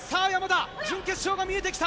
準決勝が見えてきた。